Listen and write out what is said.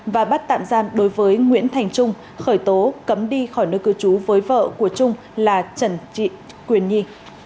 và bắt tạm giam đối với nguyễn thành trung khởi tố cấm đi khỏi nơi cư trú với vợ của trung là trần quyền nhi